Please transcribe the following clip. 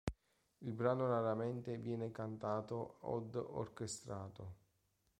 Il brano raramente viene cantato od orchestrato.